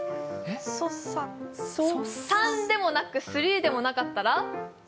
「さん」でもなく「スリー」でもなかったら？